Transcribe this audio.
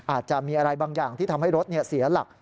อาจจะมีอะไรบางอย่างที่ทำให้รถเสียหลัก